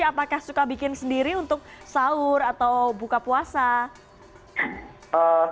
apakah suka bikin sendiri untuk sahur atau buka puasa